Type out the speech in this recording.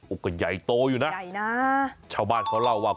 โอ๊ยก็ใหญ่โตอยู่นะชาวบ้านเขาเล่าว่าใหญ่นะ